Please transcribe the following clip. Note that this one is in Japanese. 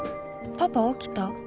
パパ起きた？